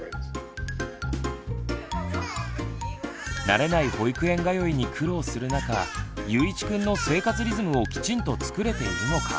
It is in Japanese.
慣れない保育園通いに苦労する中ゆういちくんの生活リズムをきちんと作れているのか